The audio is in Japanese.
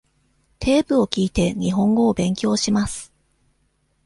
テープを聞いて、日本語を勉強します。